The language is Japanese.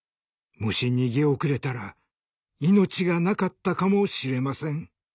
もし逃げ遅れたら命がなかったかもしれません。